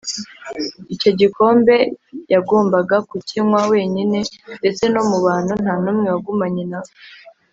icyo gikombe yagombaga kukinywa wenyine, ndetse no mu bantu nta n’umwe wagumanye na we